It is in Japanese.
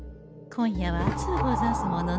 今夜は暑うござんすものね。